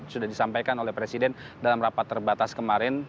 sudah disampaikan oleh presiden dalam rapat terbatas kemarin